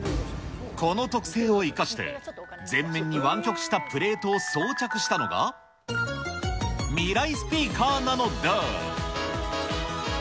この特性を生かして、前面に湾曲したプレートを装着したのが、ミライスピーカーなのだ。